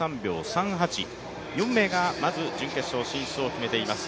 ３８、４名がまず準決勝進出を決めています。